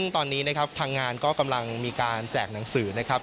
ทางงานก็กำลังมีการแจกหนังสือนะครับ